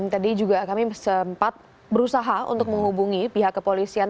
tadi juga kami sempat berusaha untuk menghubungi pihak kepolisian